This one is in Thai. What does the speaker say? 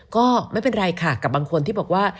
ก็ไม่เป็นไรค่ะกับบางคนที่บอกว่า